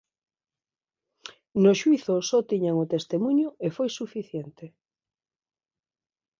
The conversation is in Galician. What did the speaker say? No xuízo só tiñan o testemuño e foi suficiente.